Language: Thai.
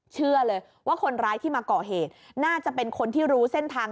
เชื่อเลยว่าคนร้ายที่มาก่อเหตุน่าจะเป็นคนที่รู้เส้นทาง